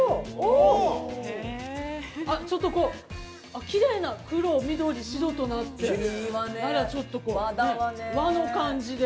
◆ちょっと、こう、きれいな黒、緑、白となって、あらちょっと、和の感じで。